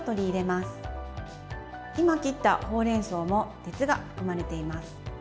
今切ったほうれんそうも鉄が含まれています。